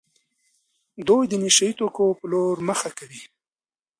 دوی د نشه يي توکو په لور مخه کوي.